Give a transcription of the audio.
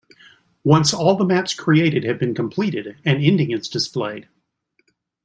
Once all the maps created have been completed, an ending is displayed.